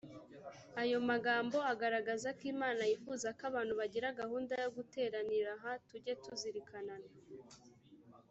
ayo magambo agaragaza ko imana yifuza ko abantu bagira gahunda yo guteranira ha tujye tuzirikanana